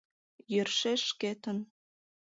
Йӧршеш шкетын!